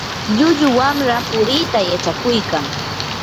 llullu wamra puriita yachakuykan.